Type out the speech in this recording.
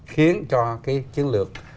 khiến cho cái chiến lược